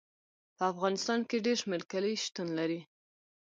په افغانستان کې ډېر شمیر کلي شتون لري.